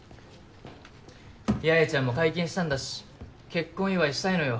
八重ちゃんも解禁したんだし結婚祝いしたいのよ